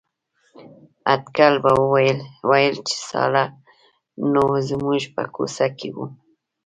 اټکل به ویل چې ساړه نو زموږ په کوڅه کې وو.